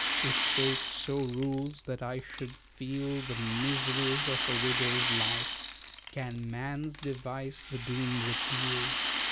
"If Fate so rules, that I should feel The miseries of a widow's life, Can man's device the doom repeal?